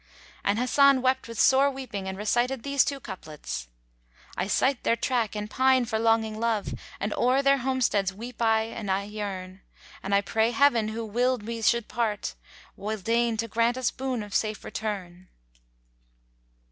'" And Hasan wept with sore weeping and recited these two couplets, "I sight their track and pine for longing love; * And o'er their homesteads weep I and I yearn: And I pray Heaven who willčd we should part, * Will deign to grant us boon of safe return."